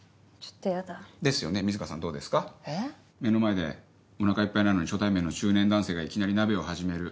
目の前でお腹いっぱいなのに初対面の中年男性がいきなり鍋を始める。